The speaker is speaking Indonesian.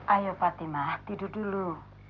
ayo fatimah tidur dulu